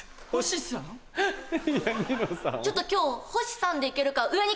ちょっと今日『ホシさん』で行けるか。